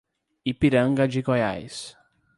Ipiranga de Goiás